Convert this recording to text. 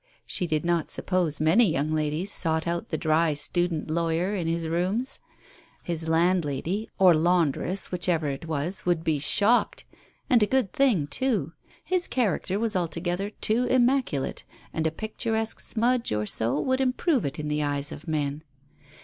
She did not suppose many young ladies sought out the dry student lawyer in his rooms 1 His landlady, or laundress, whichever it was, would be shocked, and a good thing too. His character was altogether too immaculate, and a picturesque smudge or so would improve it in the eyes of men.